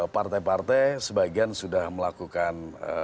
partai partai sebagian sudah melakukan